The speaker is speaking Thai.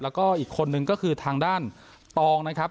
แล้วก็อีกคนนึงก็คือทางด้านตองนะครับ